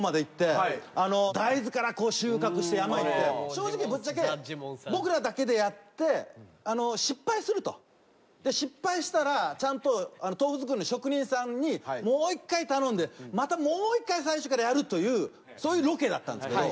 正直ぶっちゃけ僕らだけでやって失敗すると。で失敗したらちゃんと豆腐作りの職人さんにもう一回頼んでまたもう一回最初からやるというそういうロケだったんですけど。